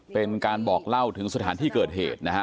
เป็นการบอกเล่าถึงสถานที่เกิดเหตุนะฮะ